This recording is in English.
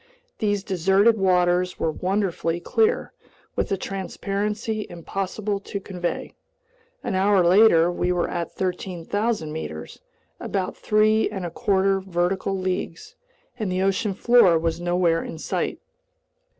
These deserted waters were wonderfully clear, with a transparency impossible to convey. An hour later we were at 13,000 meters—about three and a quarter vertical leagues—and the ocean floor was nowhere in sight.